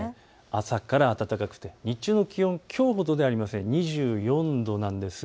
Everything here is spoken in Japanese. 朝から暖かくて日中の気温はきょうほどではありませんが２４度です。